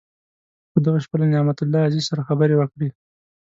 په دغه شپه له نعمت الله عزیز سره خبرې وکړې.